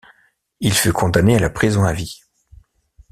Il fut condamné à la prison à vie.